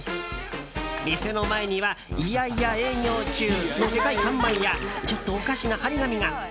店の前には「嫌々営業中」のでかい看板やちょっとおかしな貼り紙が。